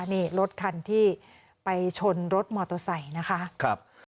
นี่รถคันที่ไปชนรถมอเตอร์ไซค์นะคะ